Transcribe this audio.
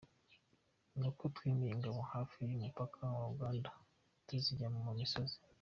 Ni uko twimuye ingabo hafi y’umupaka wa Uganda tuzijyana mu misozi.”